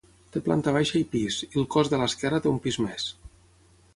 Té planta baixa i pis, i el cos de l'esquerra té un pis més.